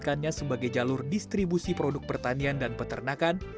jalan tol ini juga memiliki jalur distribusi produk pertanian dan peternakan